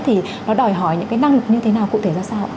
thì nó đòi hỏi những cái năng lực như thế nào cụ thể ra sao ạ